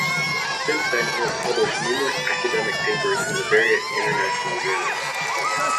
Since then he has published numerous academic papers in various international journals.